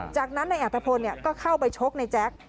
จากนั้นนายอัตภพลก็เข้าไปชกในแจ๊ค